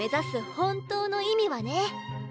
本当の意味はね